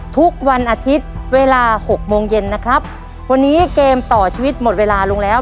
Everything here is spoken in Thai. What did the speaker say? ทุกวันอาทิตย์เวลาหกโมงเย็นนะครับวันนี้เกมต่อชีวิตหมดเวลาลงแล้ว